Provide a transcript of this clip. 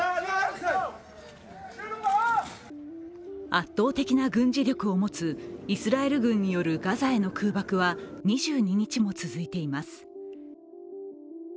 圧倒的な軍事力を持つイスラエル軍によるガザへの空爆は２２日も続いています。